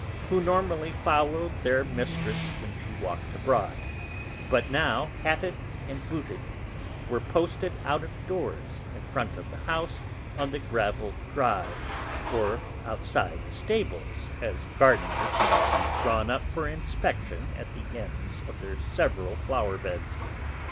who normally followed their mistress when she walked abroad, but now, hatted and booted, were posted out of doors, in front of the house on the gravelled drive, or outside the stables, as gardeners might be drawn up for inspection at the ends of their several flower beds.